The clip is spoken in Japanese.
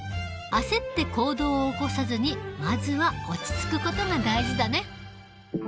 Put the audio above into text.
あせって行動を起こさずにまずは落ち着くことが大事だね。